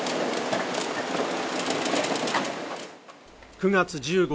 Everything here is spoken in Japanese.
９月１５